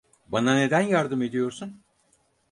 Bana neden yardım ediyorsun?